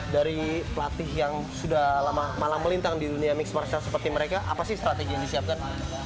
dari pelatih yang sudah lama malang melintang di dunia mixed martial seperti mereka apa sih strategi yang disiapkan